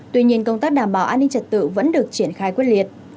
tuy nhiên công tác đảm bảo an ninh trật tự vẫn được triển khai quyết liệt